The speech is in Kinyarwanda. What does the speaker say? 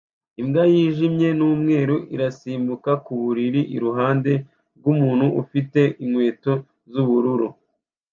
Imbwa yijimye n'umweru irasimbuka ku buriri iruhande rw'umuntu ufite inkweto z'ubururu